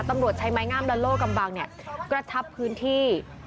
ตำรวจใช้ไม้งามและโลกำบังกระชับพื้นที่